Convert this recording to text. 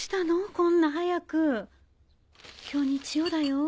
こんな早く今日日曜だよ。